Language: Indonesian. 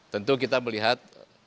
tentu kita melihat